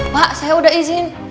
pak saya udah izin